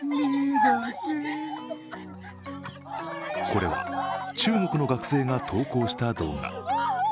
これは中国の学生が投稿した動画。